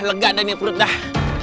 lega dan nyakud dah